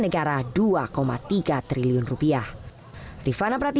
setia menerima pemberian dari kppi